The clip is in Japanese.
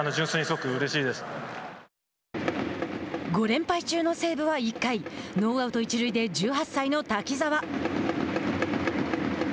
５連敗中の西武は、１回ノーアウト、一塁で１８歳の滝澤。